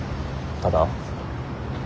ただ？